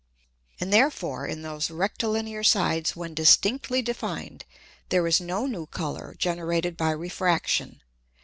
And therefore, in those Rectilinear Sides when distinctly defined, there is no new Colour generated by Refraction.